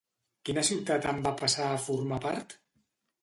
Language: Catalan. Quina ciutat en va passar a formar part?